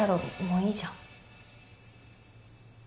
もういいじゃん。